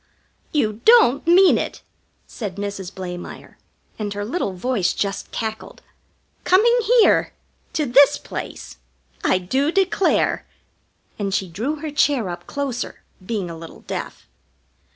"You don't mean it!" said Mrs. Blamire, and her little voice just cackled. "Coming here? To this place? I do declare!" And she drew her chair up closer, being a little deaf.